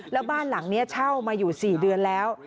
แล้วบ้านหลังนี้เช่ามาอยู่๔เดือนแล้ว